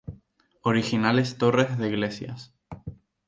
Originales torres de iglesias.